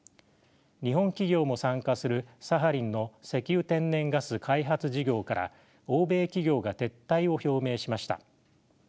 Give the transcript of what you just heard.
日本企業も参加するサハリンの石油・天然ガス開発事業から欧米企業が撤退を表明しました。